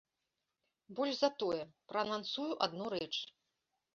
Больш за тое, праанансую адну рэч.